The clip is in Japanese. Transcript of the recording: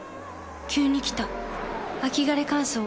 急に来た秋枯れ乾燥。